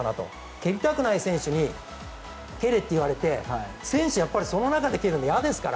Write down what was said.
蹴りたくない選手に蹴れって言われて選手はその中で蹴るのは嫌ですから。